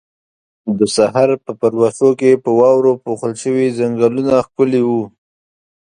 د سحر په پلوشو کې په واورو پوښل شوي ځنګلونه ښکلي وو.